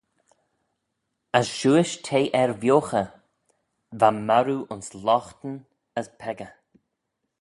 As shiuish t'eh er vioghey, va marroo ayns loghtyn as peccah.